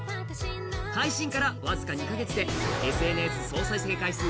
配信から僅か２カ月でＳＮＳ総再生回数